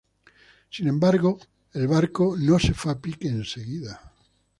Sin embargo, el barco no se fue a pique enseguida.